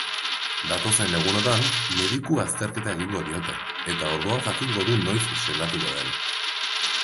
Datozen egunotan mediku-azterketa egingo diote eta orduan jakingo du noiz sendatuko den.